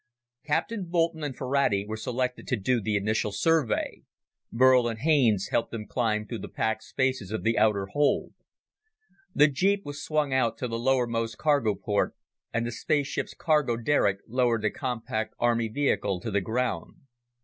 Captain Boulton and Ferrati were selected to do the initial survey. Burl and Haines helped them climb through the packed spaces of the outer hold. The jeep was swung out to the lowermost cargo port, and the spaceship's cargo derrick lowered the compact army vehicle to the ground.